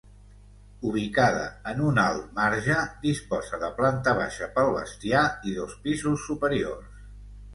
Ubicada en un alt marge, disposa de planta baixa pel bestiar i dos pisos superiors.